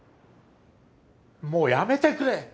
もうやめてくれ。